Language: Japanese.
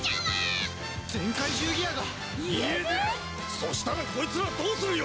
そしたらこいつらどうするよ！？